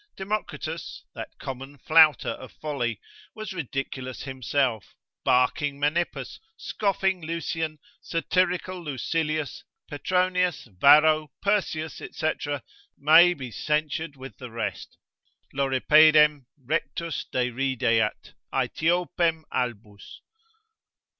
Democritus, that common flouter of folly, was ridiculous himself, barking Menippus, scoffing Lucian, satirical Lucilius, Petronius, Varro, Persius, &c., may be censured with the rest, Loripedem rectus derideat, Aethiopem albus.